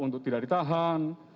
untuk tidak ditahan